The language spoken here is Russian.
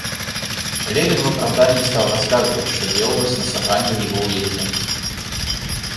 Левин в оправдание стал рассказывать, что делалось на собраниях в его уезде.